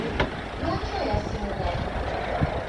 Lwaki oyasimula nnyo?